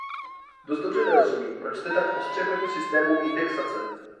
Dost dobře nerozumím, proč jste tak ostře proti systémům indexace.